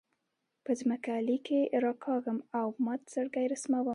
په ځمکه لیکې راکاږم او مات زړګۍ رسموم